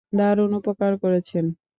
দারুণ উপকার করেছেন।